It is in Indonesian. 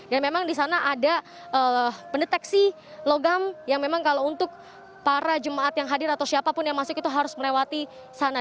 dan memang disana ada pendeteksi logam yang memang kalau untuk para jemaat yang hadir atau siapapun yang masuk itu harus melewati sana